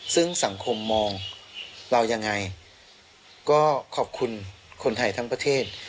ซึ่งสังคมมองเรายังไงก็ขอบคุณคนไทยทั้งประเทศ